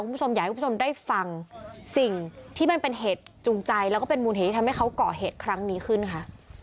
คุณผู้ชมอยากให้คุณผู้ชมได้ฟังสิ่งที่มันเป็นเหตุจูงใจแล้วก็เป็นมูลเหตุที่ทำให้เขาก่อเหตุครั้งนี้ขึ้นค่ะ